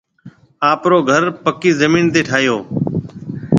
آپرو گهر پڪِي زمين تي ٺاهيَو۔